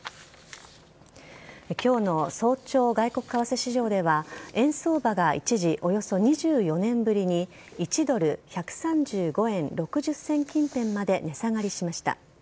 今日の早朝外国為替市場では円相場が一時、およそ２４年ぶりに１ドル１３５円６０銭近辺まで値下がりしました。